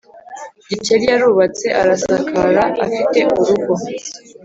gikeli yarubatse, arasakara, afite urugo